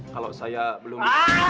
kalau saya belum